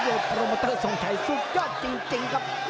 โดยโปรโมเตอร์ทรงชัยสุดยอดจริงครับ